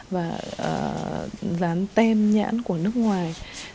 và dán tên nhãn của nước ngoài